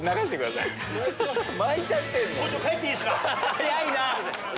早いな！